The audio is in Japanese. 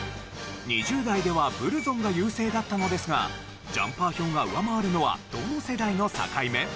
２０代ではブルゾンが優勢だったのですがジャンパー票が上回るのはどの世代の境目？